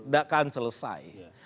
nggak akan selesai